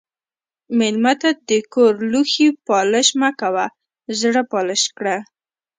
مېلمه ته د کور لوښي پالش مه کوه، زړه پالش کړه.